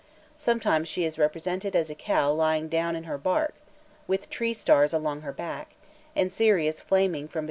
Sometimes she is represented as a cow lying down in her bark, with tree stars along her back, and Sirius flaming from between her horns.